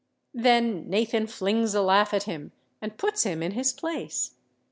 Then Nathan flings a laugh at him and puts him in his place.